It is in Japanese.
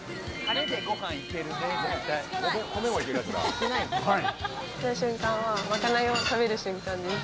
好きな瞬間はまかないを食べる瞬間です。